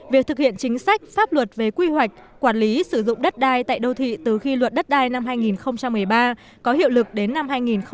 việc thực hiện chính sách pháp luật về quy hoạch quản lý sử dụng đất đai tại đô thị từ khi luật đất đai năm hai nghìn một mươi ba có hiệu lực đến năm hai nghìn một mươi bảy